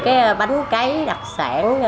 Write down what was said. cái bánh cấy đặc sản